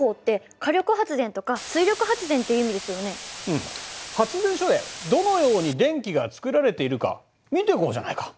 うん発電所でどのように電気が作られているか見ていこうじゃないか。